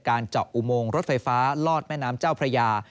เจาะอุโมงรถไฟฟ้าลอดแม่น้ำเจ้าพระยา